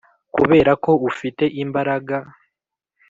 kuberako ufite imbaraga.